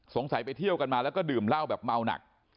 ไปเที่ยวกันมาแล้วก็ดื่มเหล้าแบบเมาหนัก